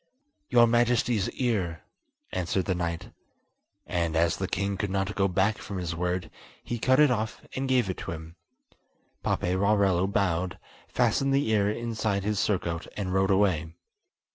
"Your Majesty's ear," answered the knight; and as the king could not go back from his word, he cut it off and gave it to him. Paperarello bowed, fastened the ear inside his surcoat and rode away.